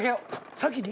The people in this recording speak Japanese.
先に？